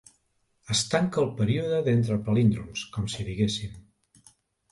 Es tanca el període d'entre-palíndroms, com si diguéssim.